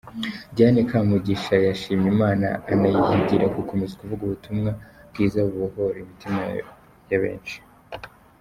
Diana Kamugisha yashimye Imana anayihigira gukomeza kuvuga ubutumwa bwiza bubohora imitima ya benshi.